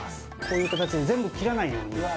こういう形で全部切らないようにうわ